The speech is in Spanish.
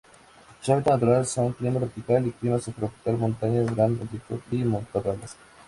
Su hábitat natural son: Clima tropical o Clima subtropical, montañas gran altitud y matorrales.